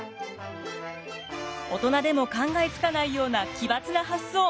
大人でも考えつかないような奇抜な発想。